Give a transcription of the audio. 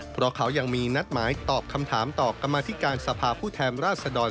เพราะเขายังมีนัดหมายตอบคำถามต่อกรรมธิการสภาพผู้แทนราชดร